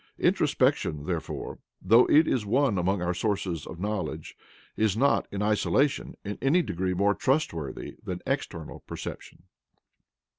Introspection, therefore, though it is one among our sources of knowledge, is not, in isolation, in any degree more trustworthy than "external" perception.